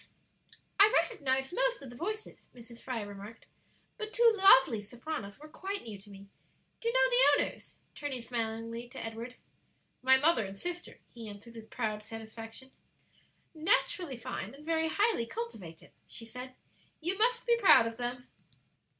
"I recognized most of the voices," Mrs. Fry remarked, "but two lovely sopranos were quite new to me. Do you know the owners?" turning smilingly to Edward. "My mother and sister," he answered, with proud satisfaction. "Naturally fine, and very highly cultivated," she said. "You must be proud of them."